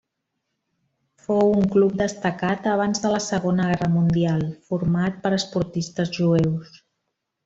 Fou un club destacat abans de la Segona Guerra Mundial, format per esportistes jueus.